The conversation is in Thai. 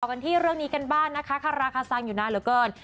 กันที่เรื่องนี้กันบ้างนะคะคาราคาซังอยู่นานเหลือเกิน